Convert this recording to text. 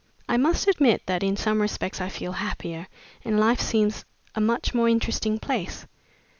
"I must admit that in some respects I feel happier and life seems a much more interesting place.